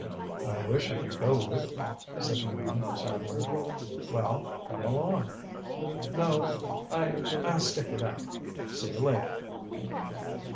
"I wish I could go with you," said Minot sadly. "Well come along " "No. I I'll stick it out. See you later."